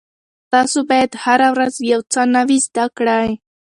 تاسو باید هره ورځ یو څه نوي زده کړئ.